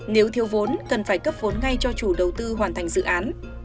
nếu thiếu vốn cần phải cấp vốn ngay cho chủ đầu tư hoàn thành dự án